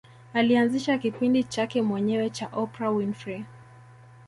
Alianzisha kipindi chake mwenyewe cha Oprah Winfrey